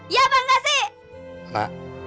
ya bang gak sih